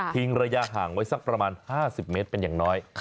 ระยะห่างไว้สักประมาณ๕๐เมตรเป็นอย่างน้อย